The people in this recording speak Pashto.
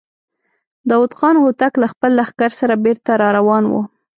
داوود خان هوتک له خپل لښکر سره بېرته را روان و.